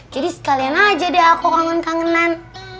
jadi sekalian aja deh aku kangen kangenan